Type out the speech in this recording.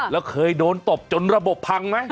แล้วเคยโดนตบจนระบบพังไหม